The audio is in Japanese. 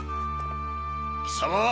貴様